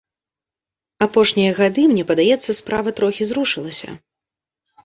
Апошнія гады, мне падаецца, справа трохі зрушылася.